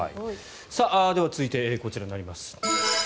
では、続いてこちらになります。